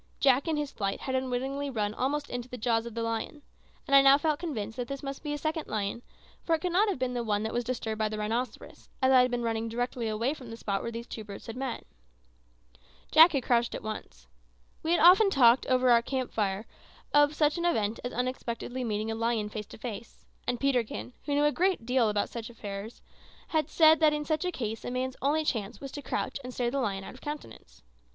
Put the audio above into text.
Jack in his flight had unwittingly run almost into the jaws of the lion; and I now felt convinced that this must be a second lion, for it could not have been the one that was disturbed by the rhinoceros, as I had been running directly away from the spot where these two brutes had met. Jack had crouched at once. We had often talked, over our camp fire, of such an event as unexpectedly meeting a lion face to face; and Peterkin, who knew a good deal about such matters, had said that in such a case a man's only chance was to crouch and stare the lion out of countenance.